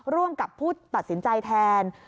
ร่วมกับผู้ตัดสินใจแทน